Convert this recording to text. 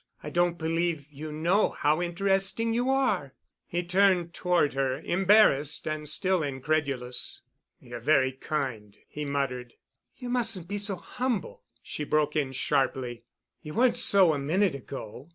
I don't believe you know how interesting you are." He turned toward her, embarrassed and still incredulous. "You're very kind," he muttered. "You mustn't be so humble," she broke in sharply. "You weren't so a minute ago.